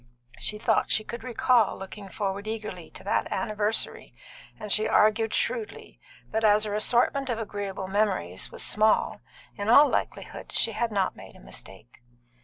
She thought she could recall looking eagerly forward to that anniversary; and she argued shrewdly that, as her assortment of agreeable memories was small, in all likelihood she had not made a mistake.